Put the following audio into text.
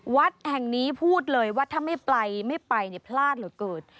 วัดแห่งนี้พูดเลยว่าถ้าไม่ไปไม่ไปเนี่ยพลาดเหลือเกิน